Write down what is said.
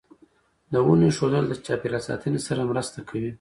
د ونو ایښودل د چاپیریال ساتنې سره مرسته کوي.